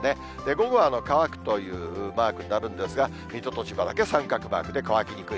午後は乾くというマークになるんですが、水戸と千葉だけ三角マークで乾きにくい。